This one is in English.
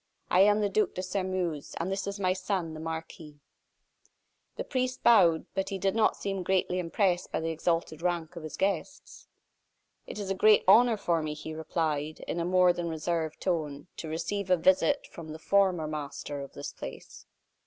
I am the Duc de Sairmeuse, and this is my son, the Marquis." The priest bowed, but he did not seem very greatly impressed by the exalted rank of his guests. "It is a great honor for me," he replied, in a more than reserved tone, "to receive a visit from the former master of this place."